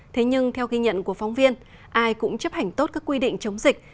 thế nhưng theo ghi nhận của phóng viên ai cũng chấp hành tốt các quy định chống dịch